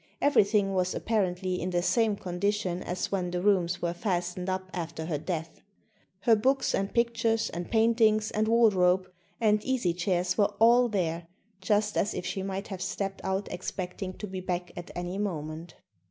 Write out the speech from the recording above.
Everything was apparently in the same condition as when the rooms were fastened up after her death. Her books, and pictures, and paintings, and wardrobe, and easy chairs were all there, just as if she might have stepped out expecting to be back at any moment.